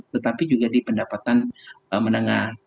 tetapi juga di pendapatan menengah